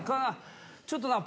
ちょっと。